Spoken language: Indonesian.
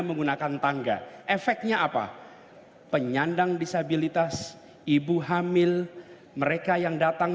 menggunakan tangga efeknya apa penyandang disabilitas ibu hamil mereka yang datang